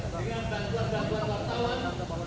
dengan kantor kantor wartawan